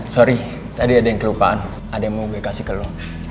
sorry tadi ada yang kelupaan ada yang mau gue kasih ke lo